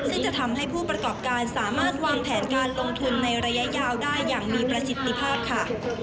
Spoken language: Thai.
ซึ่งจะทำให้ผู้ประกอบการสามารถวางแผนการลงทุนในระยะยาวได้อย่างมีประสิทธิภาพค่ะ